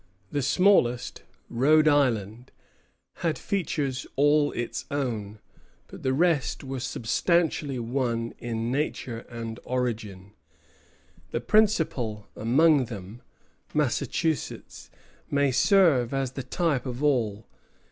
The smallest, Rhode Island, had features all its own; but the rest were substantially one in nature and origin. The principal among them, Massachusetts, may serve as the type of all.